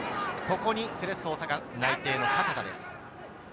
セレッソ大阪内定の阪田です。